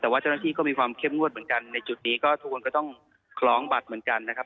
แต่ว่าเจ้าหน้าที่ก็มีความเข้มงวดเหมือนกันในจุดนี้ก็ทุกคนก็ต้องคล้องบัตรเหมือนกันนะครับ